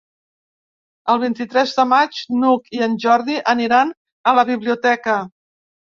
El vint-i-tres de maig n'Hug i en Jordi aniran a la biblioteca.